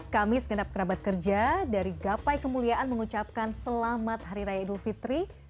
kami segenap kerabat kerja dari gapai kemuliaan mengucapkan selamat hari raya idul fitri